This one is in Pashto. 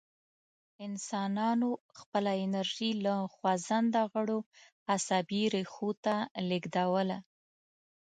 انسانانو خپله انرژي له خوځنده غړو عصبي ریښو ته لېږدوله.